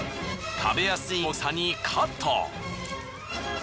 食べやすい大きさにカット。